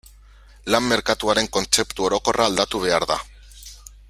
Lan merkatuaren kontzeptu orokorra aldatu behar da.